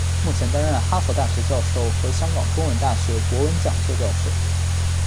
目前担任哈佛大学教授和香港中文大学博文讲座教授。